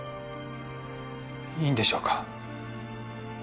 いいんでしょうか